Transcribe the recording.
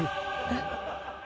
えっ？